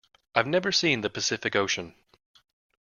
I've never seen the Pacific Ocean.